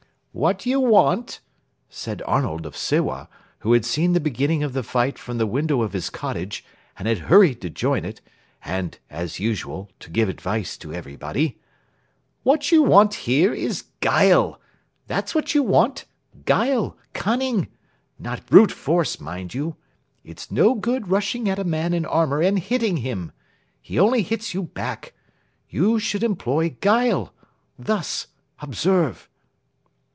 "What you want" said Arnold of Sewa, who had seen the beginning of the fight from the window of his cottage and had hurried to join it, and, as usual, to give advice to everybody "what you want here is guile. That's what you want guile, cunning. Not brute force, mind you. It's no good rushing at a man in armour and hitting him. He only hits you back. You should employ guile. Thus. Observe."